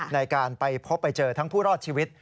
ในการไปพบไปเจอทั้งผู้รอดชีวิต